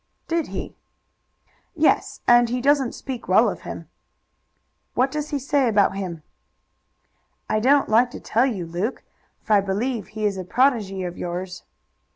"Did he?" "Yes, and he doesn't speak well of him." "What does he say about him?" "I don't like to tell you, Luke, for I believe he is a protégé of yours."